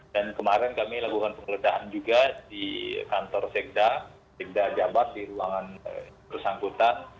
dan kemarin kami lakukan penggeledahan juga di kantor sekda sekda jabat di ruangan kursangkutan